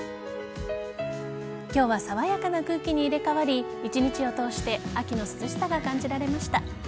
今日は爽やかな空気に入れ替わり一日を通して秋の涼しさが感じられました。